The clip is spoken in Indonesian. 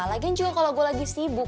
lagian juga kalo gue lagi sibuk